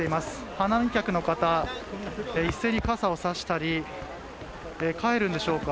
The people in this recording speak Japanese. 花見客の方一斉に傘を差したり帰るんでしょうか。